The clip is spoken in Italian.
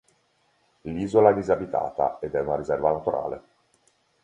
L'isola è disabitata, ed è una riserva naturale.